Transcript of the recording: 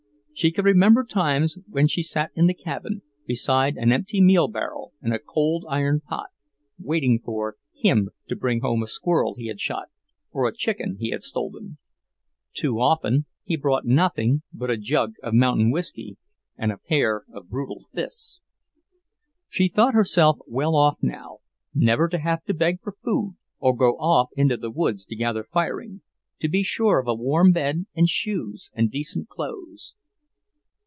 She could remember times when she sat in the cabin, beside an empty meal barrel and a cold iron pot, waiting for "him" to bring home a squirrel he had shot or a chicken he had stolen. Too often he brought nothing but a jug of mountain whiskey and a pair of brutal fists. She thought herself well off now, never to have to beg for food or go off into the woods to gather firing, to be sure of a warm bed and shoes and decent clothes.